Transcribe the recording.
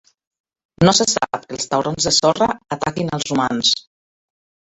No se sap que els taurons de sorra ataquin els humans.